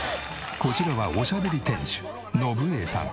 こちらはおしゃべり店主延衛さん。